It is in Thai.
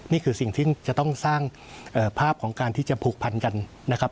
นี่คือสิ่งที่จะต้องสร้างภาพของการที่จะผูกพันกันนะครับ